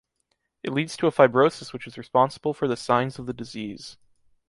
It leads to a fibrosis which is responsible for the signs of the disease.